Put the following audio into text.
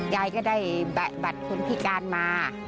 ยายก็ได้บัตรคนพิการมา